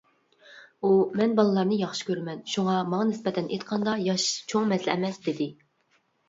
ئۇ: «مەن بالىلارنى ياخشى كۆرىمەن، شۇڭا ماڭا نىسبەتەن ئېيتقاندا ياش چوڭ مەسىلە ئەمەس» دېدى.